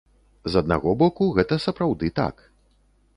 З аднаго боку, гэта сапраўды так.